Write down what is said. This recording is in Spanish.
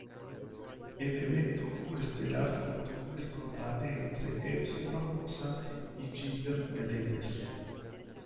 El evento co-estelar contó con el combate entre Edson Barboza y Gilbert Melendez.